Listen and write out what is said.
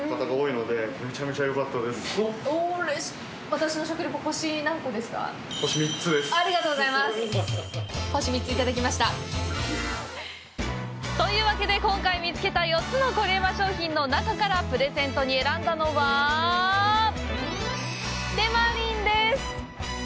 私の食レポ、どうでした？というわけで、今回見つけた４つのコレうま商品の中からプレゼントに選んだのはてまりんです！